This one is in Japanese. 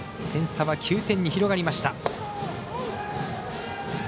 点差は９点に広がりました。